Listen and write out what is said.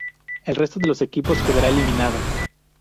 El resto de los equipos quedará eliminado.